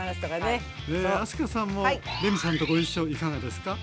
明日香さんもレミさんとご一緒いかがですか？